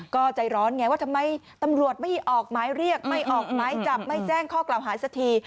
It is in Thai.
ก็ใจร้อนไงว่าทำไมตำรวจไม่ออกหมายเรียกไม่ออกหมายจับไม่แจ้งข้อกล่าวหาสักที